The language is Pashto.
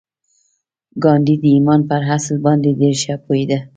ګاندي د ایمان پر اصل باندې ډېر ښه پوهېده